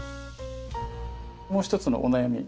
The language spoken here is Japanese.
もう一つのお悩み。